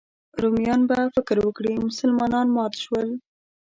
رومیان به فکر وکړي مسلمانان مات شول.